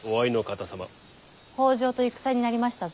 北条と戦になりましたぞ。